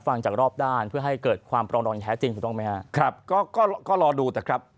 ฟังจากรอบด้านเพื่อให้เกิดความรอนแถวจริงก็รอดูก็ครับแต่